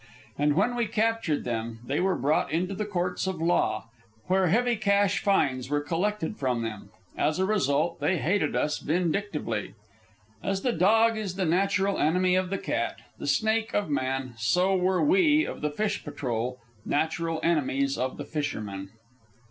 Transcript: And when we captured them, they were brought into the courts of law, where heavy cash fines were collected from them. As a result, they hated us vindictively. As the dog is the natural enemy of the cat, the snake of man, so were we of the fish patrol the natural enemies of the fishermen.